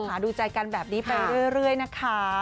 หาดูใจกันแบบนี้ไปเรื่อยนะคะ